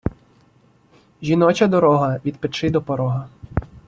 жіноча дорога – від печи до порога